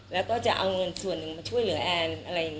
แล้วก็จะเอาเงินส่วนหนึ่งจะช่วยเหลือแอน